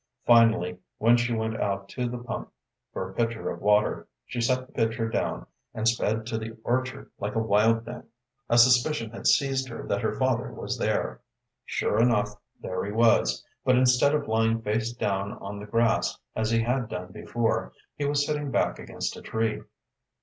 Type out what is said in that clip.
Finally, when she went out to the pump for a pitcher of water, she set the pitcher down, and sped to the orchard like a wild thing. A suspicion had seized her that her father was there. Sure enough, there he was, but instead of lying face down on the grass, as he had done before, he was sitting back against a tree.